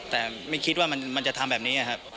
แต่ไม่คิดว่ามันจะทำแบบนี้ครับ